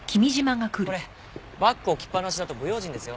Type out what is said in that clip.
これバッグ置きっぱなしだと不用心ですよ。